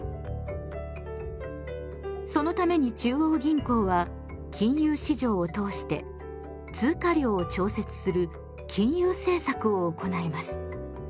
そのために中央銀行は金融市場を通して通貨量を調節する「金融政策」を行います。